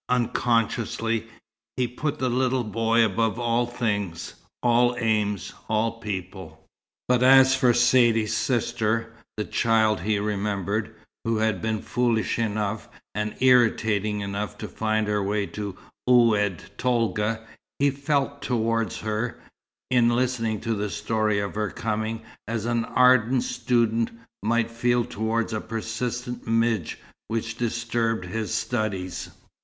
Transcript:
Unconsciously, he put the little boy above all things, all aims, all people. But as for Saidee's sister, the child he remembered, who had been foolish enough and irritating enough to find her way to Oued Tolga, he felt towards her, in listening to the story of her coming, as an ardent student might feel towards a persistent midge which disturbed his studies.